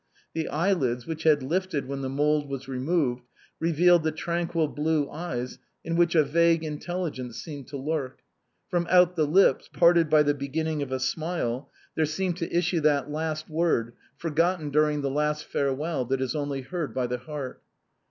The eyelids, which had lifted when the mould was removed, revealed the tranquil blue eyes in which a vague intelligence still seemed to lurk ; from out the lips, parted by the beginning of a smile. francine's muff. 237 there seemed to issue that last word, forgotten during the last farewell, that is only heard by the heart.